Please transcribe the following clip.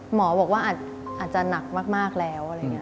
หมอบอกว่าอาจจะหนักมากแล้ว